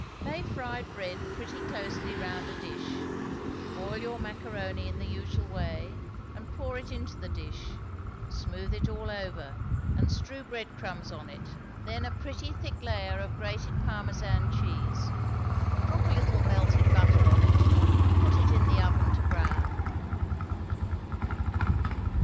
Lay fried bread pretty closely round a dish; boil your macaroni in the usual way, and pour it into the dish; smooth it all over, and strew breadcrumbs on it, then a pretty thick layer of grated Parmesan cheese; drop a little melted butter on it, and put it in the oven to brown.